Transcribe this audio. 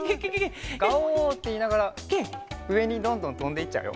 「ガオー！」っていいながらうえにどんどんとんでいっちゃうよ。